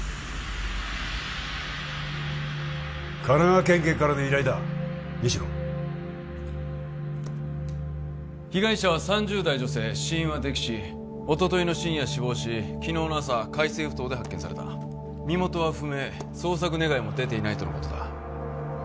神奈川県警からの依頼だ西野被害者は３０代女性死因は溺死おとといの深夜死亡し昨日の朝海星埠頭で発見された身元は不明捜索願も出ていないとのことだ